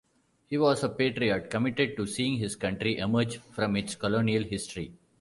He was a patriot, committed to seeing his country emerge from its colonial history.